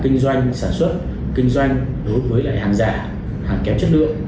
kinh doanh sản xuất kinh doanh đối với hàng giả hàng kém chất lượng